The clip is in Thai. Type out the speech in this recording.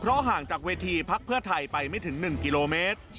เพราะห่างจากเวทีพักเพื่อไทยไปไม่ถึงหนึ่งกิโลเมตร